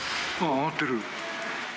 上がってる。